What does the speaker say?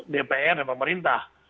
dpr dan pemerintah